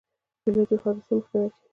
پیلوټ د حادثو مخنیوی کوي.